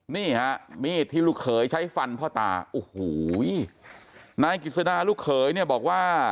นี่ฮะมีดที่ลูกเขยใช้ฟันพ่อตาโอ้โหนายกิจสดาลูกเขยเนี่ยบอกว่า